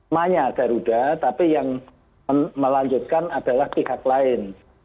manya garuda tapi yang melanjutkan adalah pihak lain